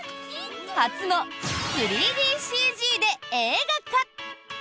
初の３ＤＣＧで映画化。